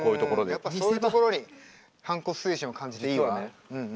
やっぱそういうところに反骨精神を感じていいわ。